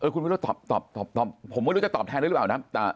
คุณวิโรธตอบผมไม่รู้จะตอบแทนด้วยหรือเปล่านะ